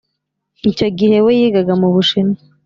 Icyo gihe we yigaga mubushinwa